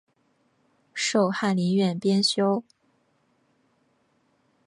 授翰林院编修。